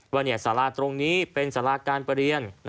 ว่าเนี่ยศาลาตรงนี้เป็นศาลาการประเรียน